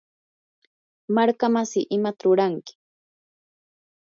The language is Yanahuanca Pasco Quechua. markamasi, ¿imata ruranki?